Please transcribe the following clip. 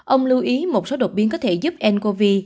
ông lưu ý một số độc biến có thể giúp ncov